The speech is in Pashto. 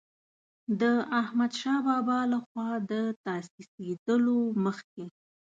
د احمدشاه بابا له خوا د تاسیسېدلو مخکې.